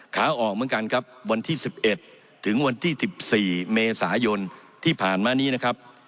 ขาออกเหมือนกันครับวันที่๑๑ถึงวันที่๑๔เมษายนที่ผ่านมานี้นะครับ